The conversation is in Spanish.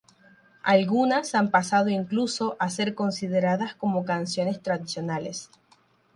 Algunas han pasado incluso a ser consideradas como canciones tradicionales.